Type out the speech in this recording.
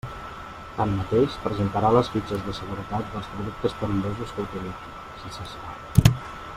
Tanmateix, presentarà les fitxes de seguretat dels productes perillosos que utilitzi, si s'escau.